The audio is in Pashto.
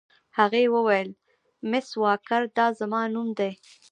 هغې وویل: مس واکر، دا زما نوم دی.